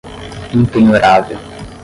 impenhorável